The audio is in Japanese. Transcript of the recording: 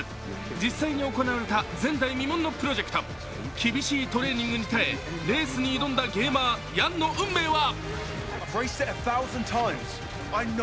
実際に行われた、前代未聞のプロジェクト、厳しいトレーニングに耐えレースに挑んだゲーマー・ヤンの運命は？